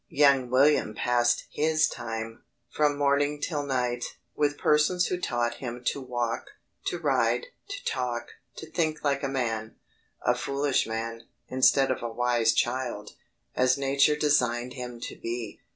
Young William passed his time, from morning till night, with persons who taught him to walk, to ride, to talk, to think like a man a foolish man, instead of a wise child, as nature designed him to be.